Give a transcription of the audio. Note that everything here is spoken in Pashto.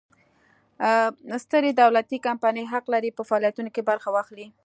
سترې دولتي کمپنۍ حق لري په فعالیتونو کې برخه واخلي.